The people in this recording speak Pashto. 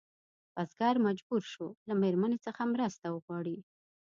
بزګر مجبور شو له مېرمنې څخه مرسته وغواړي.